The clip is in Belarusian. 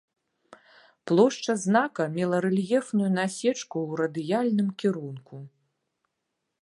Плошча знака мела рэльефную насечку ў радыяльным кірунку.